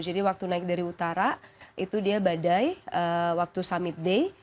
waktu naik dari utara itu dia badai waktu summit day